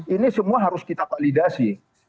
ini semua harus kita validasi